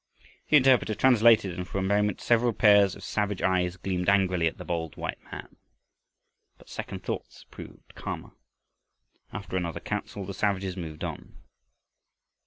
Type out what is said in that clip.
The interpreter translated and for a moment several pairs of savage eyes gleamed angrily at the bold white man. But second thoughts proved calmer. After another council the savages moved on.